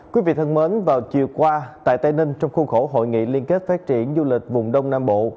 quý vị thân mến vào chiều qua tại tây ninh trong khuôn khổ hội nghị liên kết phát triển du lịch vùng đông nam bộ